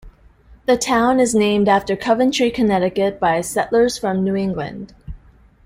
The town is named after Coventry, Connecticut, by settlers from New England.